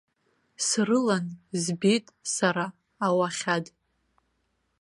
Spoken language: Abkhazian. Срылан збеит сара ауахьад.